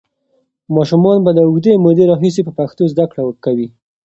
ماشومان به له اوږدې مودې راهیسې په پښتو زده کړه کوي.